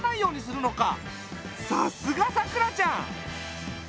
さすがさくらちゃん！